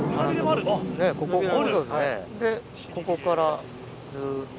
でここからずっと。